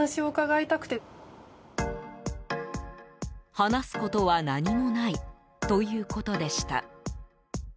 話すことは何もないということでした。